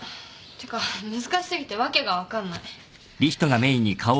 ていうか難し過ぎて訳が分かんない。